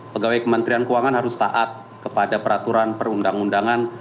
pegawai kementerian keuangan harus taat kepada peraturan perundang undangan